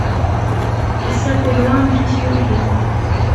Ass-a kul wa amek i s-yuki.